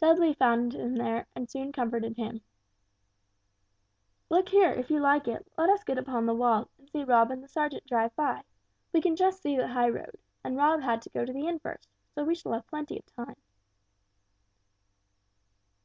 Dudley found him there, and soon comforted him. "Look here, if you like it, let us get upon the wall and see Rob and the sergeant drive by; we can just see the high road, and Rob had to go to the inn first, so we shall have plenty of time."